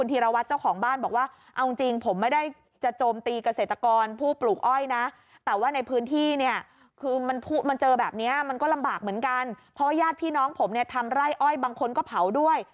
ทำไล่อ้อยบางคนก็เผาด้วย